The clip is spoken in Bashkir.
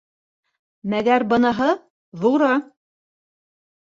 Мәгәр быныһы - ҙуры.